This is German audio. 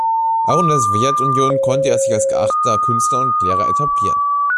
Auch in der Sowjetunion konnte er sich als geachteter Künstler und Lehrer etablieren.